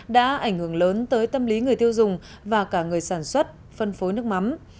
đã ảnh hưởng lớn tới tâm lý người tiêu dùng và cả người sản xuất phân phối nước mắm